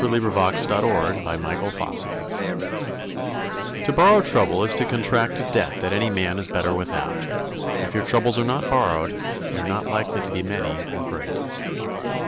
_ NEVER TROUBLE TROUBLE To borrow trouble is to contract a debt that any man is better without. If your troubles are not borrowed, they are not likely to be many or great.